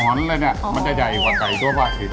หงอนเลยเนี้ยอ๋อมันจะใหญ่กว่าไก่ทั่วปลาทิตย์